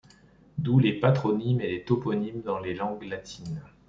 D'où les patronymes et les toponymes dans les langues latines.